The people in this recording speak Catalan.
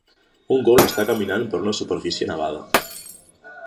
Un gos està caminant per una superfície nevada